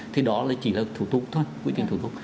thì đó chỉ là thủ tục thôi quyết định thủ tục